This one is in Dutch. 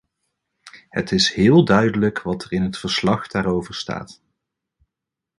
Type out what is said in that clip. Het is heel duidelijk wat er in het verslag daarover staat.